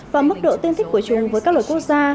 và mức độ tương thích của chúng với các loại quốc gia